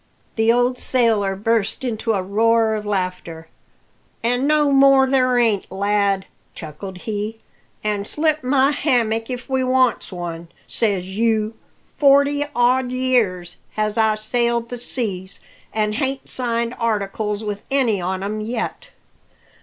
The old sailor burst into a roar of laughter. "An' no more there ain't, lad," chuckled he; "an' slit my hammock if we wants one, says you. Forty odd year has I sailed the seas, an' hain't signed articles with any on 'em yet.